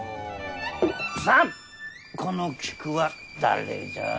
さあこの菊は誰じゃ？